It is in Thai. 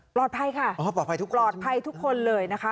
ปลอดภัยค่ะอ๋อปลอดภัยทุกปลอดภัยทุกคนเลยนะคะ